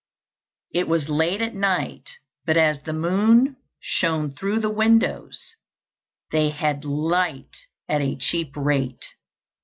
It was late at night, but as the moon shone through the windows, they had light at a cheap rate.